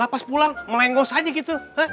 pas pulang melenggos aja gitu